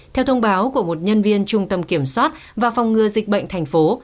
theo thông báo của một nhân viên trung tâm kiểm soát và phòng ngừa dịch bệnh thành phố